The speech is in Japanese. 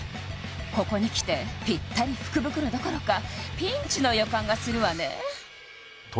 ここにきてぴったり福袋どころかピンチの予感がするわね